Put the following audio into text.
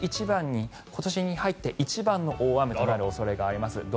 今年に入って一番の大雨となる恐れがあります。